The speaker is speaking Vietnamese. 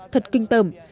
thật kinh tởm